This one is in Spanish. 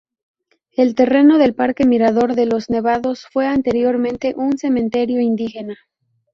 El terreno del parque Mirador de los Nevados fue anteriormente un cementerio indígena.